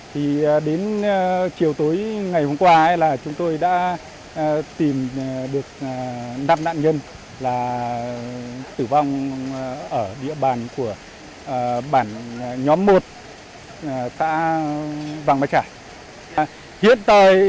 thì đến chiều tối ngày hôm qua là chúng tôi đã tìm được năm nạn nhân là tử vong ở địa bàn của bản nhóm một xã vàng mai trải